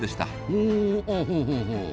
ほうほうほうほう。